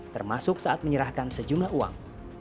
termasuk saat menyerahkan sejumlah uang